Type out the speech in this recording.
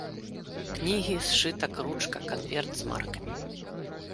Кнігі, сшытак, ручка, канверт з маркамі.